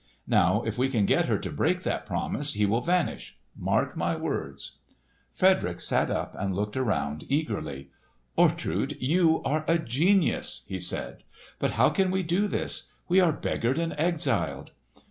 Now if we can get her to break that promise, he will vanish—mark my words!" Frederick sat up and looked around eagerly. "Ortrud, you are a genius!" he said. "But how can we do this? We are beggared and exiled."